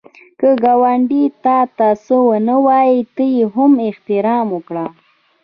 که ګاونډی تا ته څه ونه وايي، ته یې هم احترام وکړه